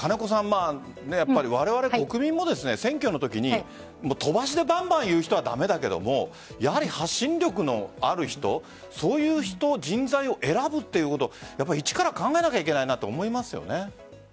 われわれ国民も選挙のときに飛ばしでバンバン言う人は駄目だけれどもやはり発信力のある人そういう人材を選ぶということは一番に考えなければいけないなと思いますよね。